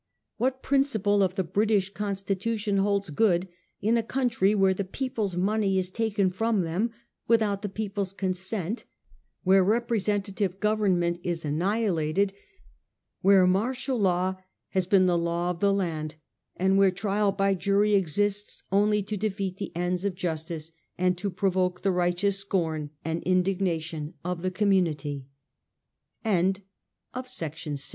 What principle of the British Constitution holds good in a country where the people's money is taken from them with out the people's consent; where representative go vernment is annihilated ; where martial law has been the law of the land, and where trial by jury exists only to defeat the ends of justice, and to provoke the righteous scorn and indignation